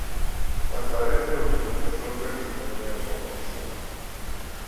Tā kā ir iebildumi, par šo priekšlikumu ir jānobalso.